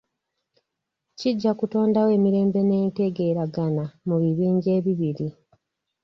Kijja kutondawo emirembe n'entegeeragana mu bibinja ebibiri.